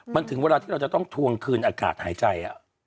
มันถึงเวลาที่เราจะต้องทวงคืนอากาศหายใจ